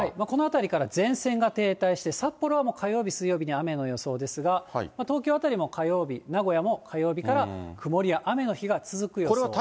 このあたりから前線が停滞して、札幌はもう、火曜日、水曜日には雨の予想ですが、東京辺りも火曜日、名古屋も火曜日から曇りや雨の日が続く予想。